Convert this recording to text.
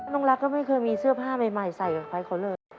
น้องรักก็ไม่เคยมีเสื้อผ้าใหม่ใส่กับใครเขาเลย